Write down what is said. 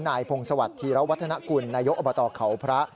นายพงศวรรคธีรวัฒนกุลนายกอบตเขาพระ